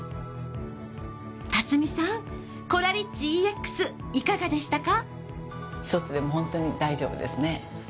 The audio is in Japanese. コラリッチＥＸいかがでしたか？